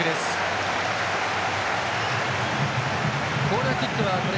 コーナーキックです。